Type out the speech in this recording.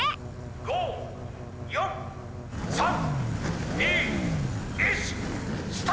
「５４３２１スタート！」。